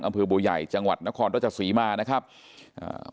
อำพือบูยัยจังหวัดนครต้นสุริมานะครับอ่า